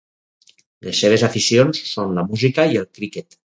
Les seves aficions són la música i el criquet.